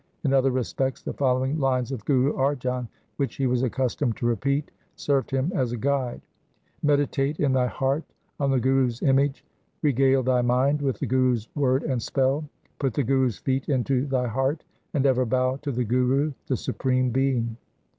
In other respects the following lines of Guru Arjan, which he was accustomed to repeat, served him as a guide :— Meditate in thy heart on the Guru's image ; Regale thy mind with the Guru's word and spell. Put the Guru's feet into thy heart, And ever bow to the Guru the Supreme Being.